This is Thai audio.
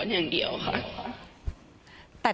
ต่างฝั่งในบอสคนขีดบิ๊กไบท์